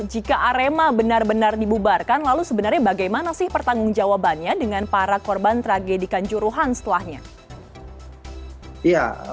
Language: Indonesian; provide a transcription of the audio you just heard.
jika arema benar benar dibubarkan lalu sebenarnya bagaimana sih pertanggung jawabannya dengan para korban tragedikan juruhan setelahnya